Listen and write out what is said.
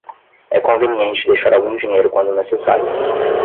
É conveniente deixar algum dinheiro quando necessário.